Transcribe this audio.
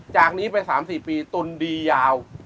จากนี้ไป๓๔ปีตุนดียาว